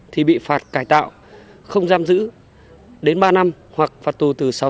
thì bị phạt cải tạo không giam giữ đến ba năm hoặc phạt tù tử